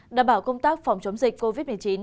đảm bảo công tác phòng chống dịch covid một mươi chín